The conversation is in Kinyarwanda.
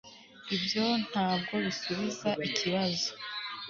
Ibyo ntabwo bisubiza ikibazo